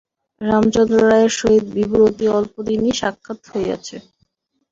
রামচন্দ্র রায়ের সহিত বিভার অতি অল্প দিনই সাক্ষাৎ হইয়াছে।